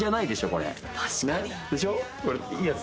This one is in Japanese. これいいやつ。